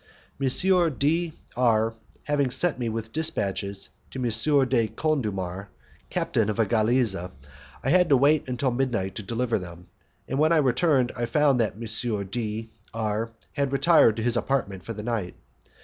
M. D R having sent me with dispatches to M. de Condulmer, captain of a 'galeazza', I had to wait until midnight to deliver them, and when I returned I found that M. D R had retired to his apartment for the night.